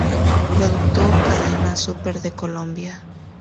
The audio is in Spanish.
Productor Cadena Super De Colombia